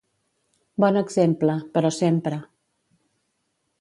Bon exemple, però sempre.